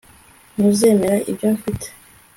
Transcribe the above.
ntuzemera ibyo mfite